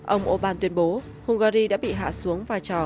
ông orbán tuyên bố hungary đã bị hạ xuống vai trò